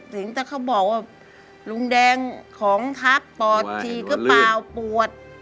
ถึงถ้าเขาบอกว่าลุงแดงของทับปอดฉีกหรือเปล่าปวด